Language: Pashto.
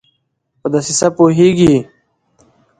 په دسیسه پوهیږي